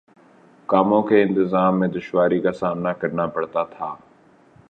کاموں کے انتظام میں دشواری کا سامنا کرنا پڑتا تھا